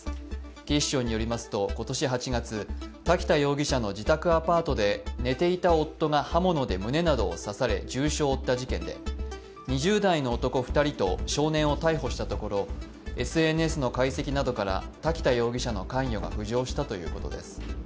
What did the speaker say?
警視庁によりますと、今年８月、瀧田容疑者の自宅アパートで寝ていた夫が刃物で胸などを刺され重傷を負った事件で２０代の男２人と少年を逮捕したところ、ＳＮＳの解析などから瀧田容疑者の関与が浮上したということです。